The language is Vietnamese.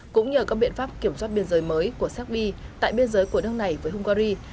cũng nhờ các biện pháp kiểm soát biên giới mới của séc bi tại biên giới của nước này với hungary